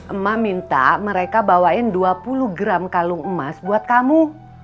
emak minta mereka bawain dua puluh gram kalung emas buat kamu